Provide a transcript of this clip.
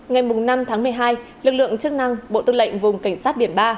ngày năm tháng một mươi hai lực lượng chức năng bộ tư lệnh vùng cảnh sát biển ba